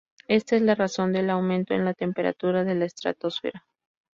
Ésta es la razón del aumento en la temperatura de la estratosfera.